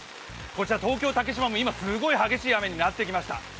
こちら東京・竹芝もすごい激しい雨になってきました。